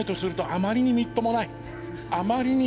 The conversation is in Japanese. あまりにみっともない。